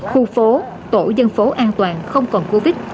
khu phố tổ dân phố an toàn không còn covid